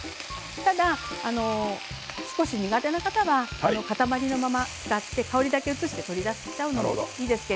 ただ少し苦手な方は塊のまま使って香りだけ移して取り出してもいいです。